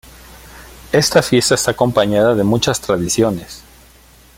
Esta fiesta está acompañada de muchas tradiciones.